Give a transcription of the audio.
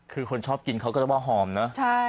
คือคนชอบกินเขาก็จะว่าหอมเนอะ